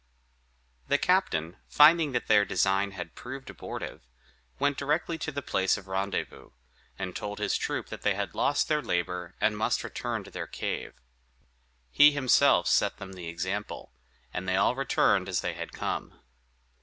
The captain, finding that their design had proved abortive, went directly to the place of rendezvous, and told his troop that they had lost their labor, and must return to their cave. He himself set them the example, and they all returned as they had come.